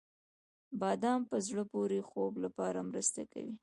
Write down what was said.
• بادام د په زړه پورې خوب لپاره مرسته کوي.